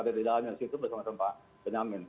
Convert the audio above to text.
di dalamnya situ bersama sama pak benyamin